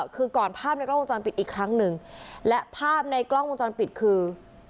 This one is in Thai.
คือก่อนภาพในกล้องวงจรปิดอีกครั้งหนึ่งและภาพในกล้องวงจรปิดคือ